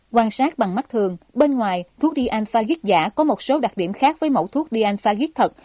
quan sát bằng mắt thường bên ngoài thuốc dianfagic giả có một số đặc điểm khác với mẫu thuốc dianfagic thật